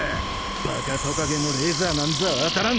バカトカゲのレーザーなんざ当たらん。